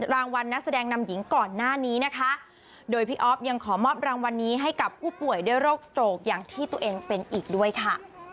รางวัลนักแสดงนำหญิงก่อนหน้านี้นะคะโดยพี่อ๊อฟยังขอมอบรางวัลนี้ให้กับผู้ป่วยด้วยโรคสโตรกอย่างที่ตัวเองเป็นอีกด้วยค่ะ